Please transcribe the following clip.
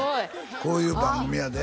こういう番組やで？